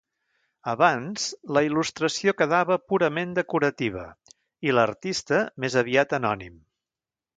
Abans, la il·lustració quedava purament decorativa i l'artista més aviat anònim.